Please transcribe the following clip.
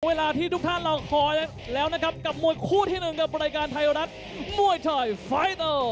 เวลาที่ทุกท่านรอคอยแล้วนะครับกับมวยคู่ที่หนึ่งกับรายการไทยรัฐมวยไทยไฟเตอร์